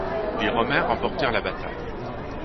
Les Romains remportèrent la bataille.